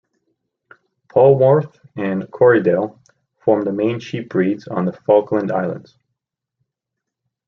Polwarth and Corriedale form the main sheep breeds on the Falkland Islands.